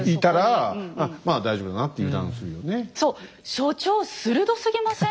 所長鋭すぎません？